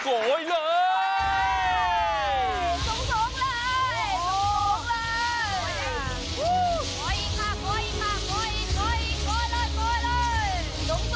ส่งส่งเลยค่ะโกยอีกโกยอีกโกยอีกค่ะ